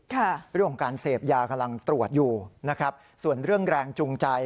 เรื่องของการเสพยากำลังตรวจอยู่นะครับส่วนเรื่องแรงจูงใจ